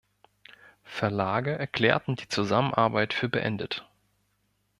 Verlage erklärten die Zusammenarbeit für beendet.